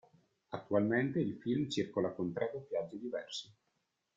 Attualmente il film circola con tre doppiaggi diversi.